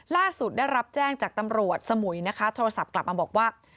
ล่าสุดได้รับแจ้งจากตำรวจสมุยนะคะโทรศัพท์กลับมาบอกว่า